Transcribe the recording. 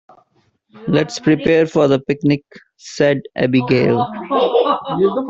"Let's prepare for the picnic!", said Abigail.